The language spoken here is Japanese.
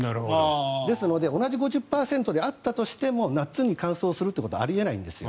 ですので同じ５０％であったとしても夏に乾燥することはあり得ないんです。